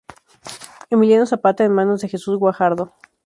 Emiliano Zapata en manos de Jesús Guajardo.